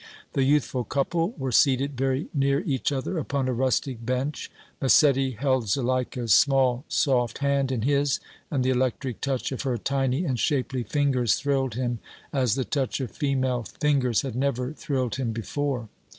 The youthful couple were seated very near each other upon a rustic bench. Massetti held Zuleika's small, soft hand in his and the electric touch of her tiny and shapely fingers thrilled him as the touch of female fingers had never thrilled him before.